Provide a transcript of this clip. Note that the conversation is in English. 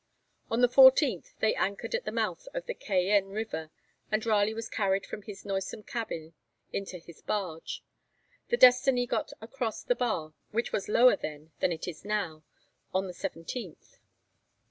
On the 14th they anchored at the mouth of the Cayenne river, and Raleigh was carried from his noisome cabin into his barge; the 'Destiny' got across the bar, which was lower then than it now is, on the 17th.